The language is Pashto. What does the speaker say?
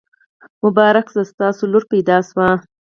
مبارک شه! ستاسو لور پیدا شوي.